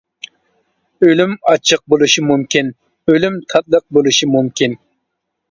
ئۆلۈم ئاچچىق بولۇشى مۇمكىن ئۆلۈم تاتلىق بولۇشى مۇمكىن.